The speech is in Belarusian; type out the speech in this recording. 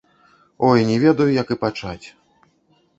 Ой, не ведаю, як і пачаць.